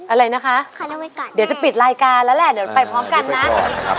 อะไรนะคะเดี๋ยวจะปิดรายการแล้วแหละเดี๋ยวไปพร้อมกันนะสวัสดีครับ